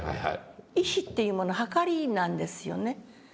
意志っていうもの秤なんですよね。